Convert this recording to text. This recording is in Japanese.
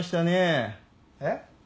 えっ？